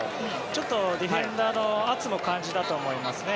ちょっとディフェンダーの圧も感じたと思いますね。